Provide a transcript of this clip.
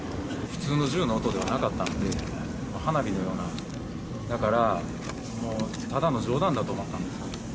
普通の銃の音ではなかったんで、花火のような、だから、ただの冗談だと思ったんです。